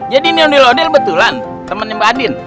jadi niondi lodil betulan temen mbak andin